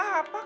oh ini dong